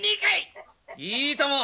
いいとも。